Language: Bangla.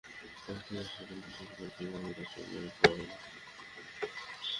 আর সেটা তার জন্য মুশকিল কারণ সে কখনোই তার সঙ্গ পাবে না।